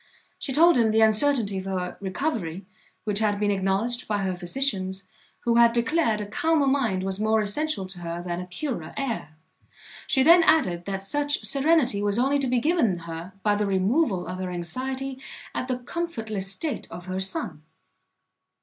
She told him the uncertainty of her recovery which had been acknowledged by her physicians, who had declared a calmer mind was more essential to her than a purer air. She then added, that such serenity was only to be given her, by the removal of her anxiety at the comfortless state of her son.